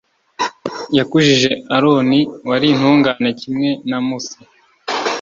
Yakujije Aroni, wari intungane kimwe na Musa,